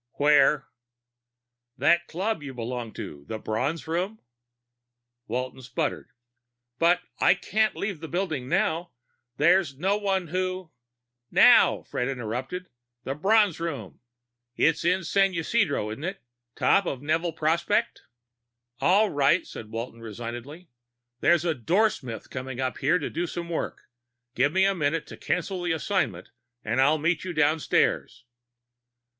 "Where?" "That club you belong to. The Bronze Room." Walton sputtered. "But I can't leave the building now! There's no one who " "Now," Fred interrupted. "The Bronze Room. It's in the San Isidro, isn't it? Top of Neville Prospect?" "All right," said Walton resignedly. "There's a doorsmith coming up here to do some work. Give me a minute to cancel the assignment and I'll meet you downstairs."